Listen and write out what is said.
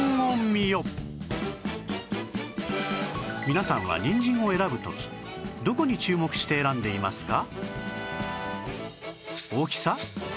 皆さんはにんじんを選ぶ時どこに注目して選んでいますか？